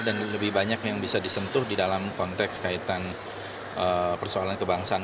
dan lebih banyak yang bisa disentuh di dalam konteks kaitan persoalan kebangsaan